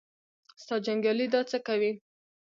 ستا جنګیالي دا څه کوي.